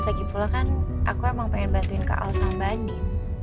lagipula kan aku emang pengen bantuin kak al sama andin